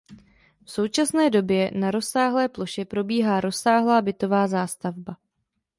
V současné době na rozsáhlé ploše probíhá rozsáhlá bytová zástavba.